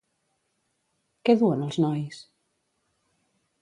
Què duen els nois?